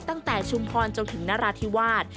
ตั้งแต่ชุมพรจนถึงนราธิวาส